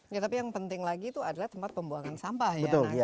ya tapi yang penting lagi itu adalah tempat pembuangan sampah ya